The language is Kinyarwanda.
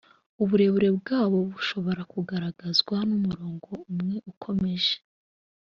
uburebure bwawo bushobora kugaragazwa n umurongo umwe ukomeje